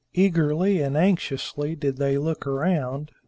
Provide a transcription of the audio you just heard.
Eagerly and anxiously did they look around.